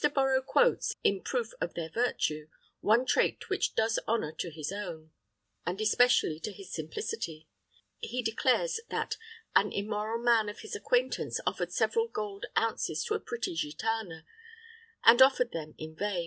Borrow quotes, in proof of their virtue, one trait which does honour to his own, and especially to his simplicity: he declares that an immoral man of his acquaintance offered several gold ounces to a pretty gitana, and offered them in vain.